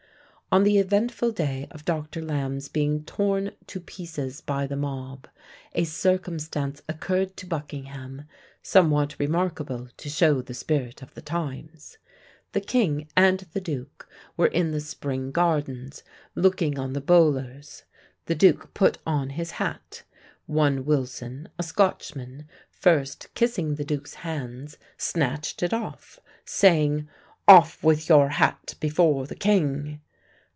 On the eventful day of Dr. Lambe's being torn to pieces by the mob, a circumstance occurred to Buckingham, somewhat remarkable to show the spirit of the times. The king and the duke were in the Spring Gardens, looking on the bowlers; the duke put on his hat; one Wilson, a Scotchman, first kissing the duke's hands, snatched it off, saying, "Off with your hat before the king."